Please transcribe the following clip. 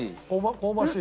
香ばしい？